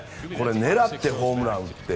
狙ってホームランを打って。